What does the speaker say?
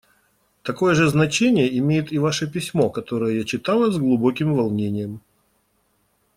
Такое же значение имеет и ваше письмо, которое я читала с глубоким волнением.